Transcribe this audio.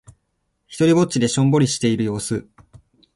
ひとりっぼちでしょんぼりしている様子。